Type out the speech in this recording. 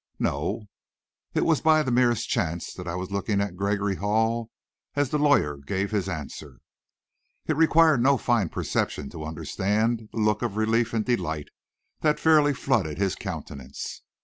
"No." It was by the merest chance that I was looking at Gregory Hall, as the lawyer gave this answer. It required no fine perception to understand the look of relief and delight that fairly flooded his countenance.